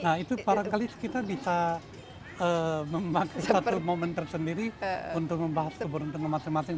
nah itu barangkali kita bisa memakai satu momen tersendiri untuk membahas keberuntungan masing masing